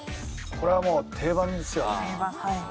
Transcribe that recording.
これはもう定番ですよね